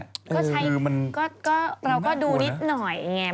ก็ใช้เราก็ดูนิดหน่อยไง